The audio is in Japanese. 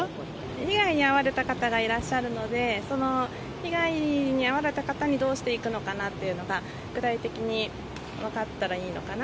被害に遭われた方がいらっしゃるので、その被害に遭われた方にどうしていくのかなっていうのが、具体的に分かったらいいのかな。